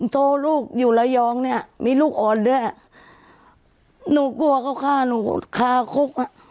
โทรลูกอยู่ระยองเนี่ยมีลูกอ่อนด้วยหนูกลัวเขาฆ่าหนูฆ่าคุกอ่ะ